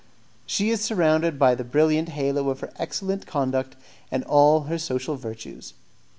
She is surrounded by the brilliant halo of her excellent conduct and of all her social virtues.